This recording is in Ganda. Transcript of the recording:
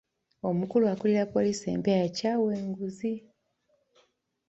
Omukulu akulira poliisi empya yakyawa enguzi.